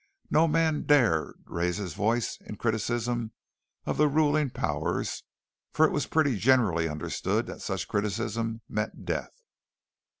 No man dared raise his voice in criticism of the ruling powers, for it was pretty generally understood that such criticism meant death.